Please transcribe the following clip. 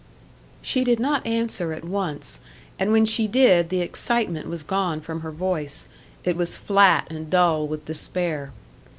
She did not answer at once, and when she did the excitement was gone from her voice; it was flat and dull with despair.